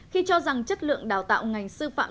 khi cho rằng chất lượng đào tạo ngành sư phạm